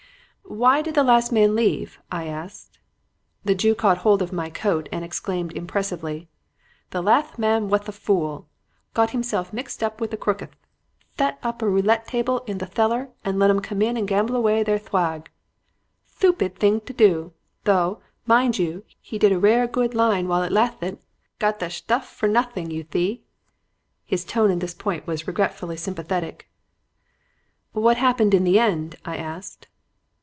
"'Why did the last man leave?' I asked. "The Jew caught the lapel of my coat and exclaimed impressively: "'The lath man wath a fool. Got himself mixthed up with the crookth. Thet up a roulette table in the thellar and let 'em come and gamble away their thwag. Thtoopid thing to do, though, mind you, he did a rare good line while it lathted. Got the sthuff for nothing, you thee.' His tone at this point was regretfully sympathetic. "'What happened in the end?' I asked.